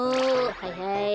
はいはい。